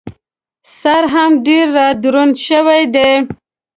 سر هم ډېر را دروند شوی دی.